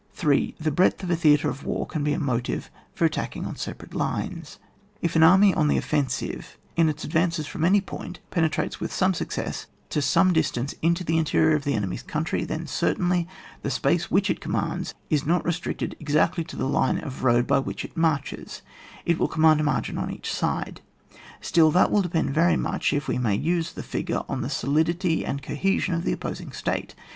3. The breadth of a theatre of war can be a motive for attacking on separate lines. If an army on the offensive in its ad vance from any point, penetrates with success to some distance into the interior of the enemy's country, then, certainly, the space wluch it commands is not re stricted exactly to the line of road by which it marches, it wiU command a margin on each side ; still that will de pend very much, if we may use the figure, on the solidity and cohesion of the oppo sing State.